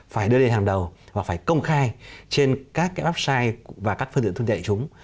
phải đưa lên hàng đầu và phải công khai trên các website và các phương tiện thương tệ chúng